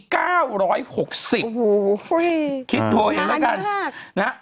คิดดูเองแล้วกัน